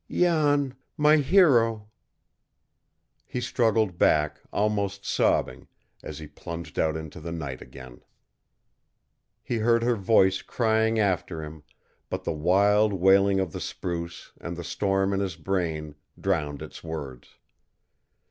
"Jan, my hero " He struggled back, almost sobbing, as he plunged out into the night again. He heard her voice crying after him, but the wild wailing of the spruce, and the storm in his brain, drowned its words.